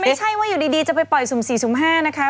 ไม่ใช่ว่าอยู่ดีจะไปปล่อยสุ่ม๔สุ่ม๕นะคะ